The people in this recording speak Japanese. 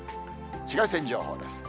紫外線情報です。